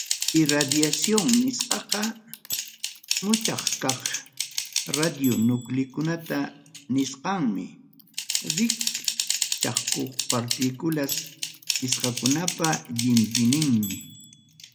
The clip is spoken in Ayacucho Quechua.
Irradiación nisqaqa ismuchkaq radionúclidos nisqaman rikchakuq partículas nisqakunapa llimpiyninmi.